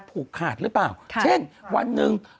ผูกขาดหรือเปล่าเช่นวันหนึ่ง